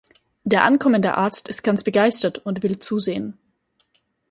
Der ankommende Arzt ist ganz begeistert und will zusehen.